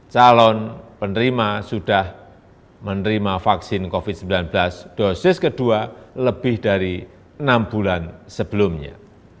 calon penerima sudah menerima vaksin covid sembilan belas dosis kedua lebih dari enam bulan sebelumnya